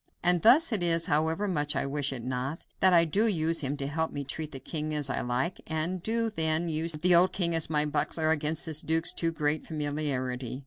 And thus it is, however much I wish it not, that I do use him to help me treat the king as I like, and do then use the poor old king as my buckler against this duke's too great familiarity.